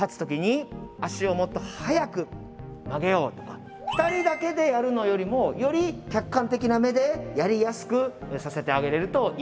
例えば２人だけでやるのよりもより客観的な目でやりやすくさせてあげれるといいと思います。